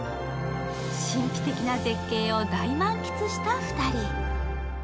神秘的な絶景を大満喫した２人。